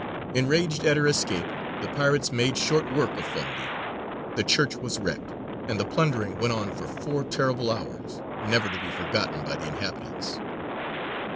Enraged at her escape the pirates made short work of Fondi; the church was wrecked, and the plundering went on for four terrible hours, never to be forgotten by the inhabitants.